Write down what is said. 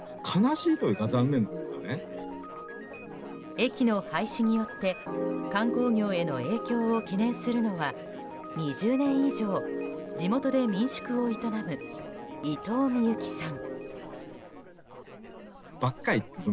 駅の廃止によって観光業への影響を懸念するのは２０年以上地元で民宿を営む伊東幸さん。